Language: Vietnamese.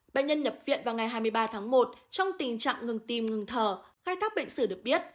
bệnh nhân nhập viện vào ngày hai mươi ba tháng một trong tình trạng ngừng tìm ngừng thở khai thác bệnh sử được biết